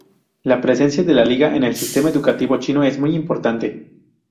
La presencia de la Liga en el sistema educativo chino es muy importante.